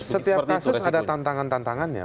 setiap kasus ada tantangan tantangannya